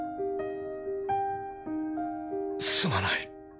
すまない。